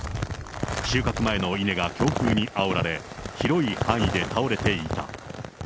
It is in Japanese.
収穫前の稲が強風にあおられ、広い範囲で倒れていた。